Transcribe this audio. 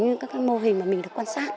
như các mô hình mà mình được quan sát